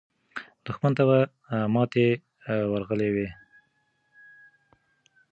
دښمن ته به ماته ورغلې وي.